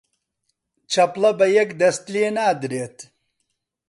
چەپڵە بە یەک دەست لێ نادرێت